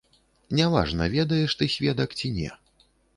Няважна, ведаеш ты сведак ці не.